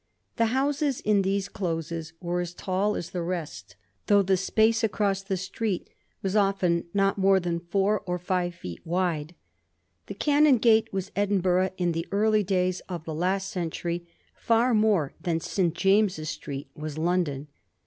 The houses in these closes were as tall as the rest, though the space across the street was often not more than four or five feet wide. The Canongate was Edinburgh in the early days of the last century far more than St. James's Street was London.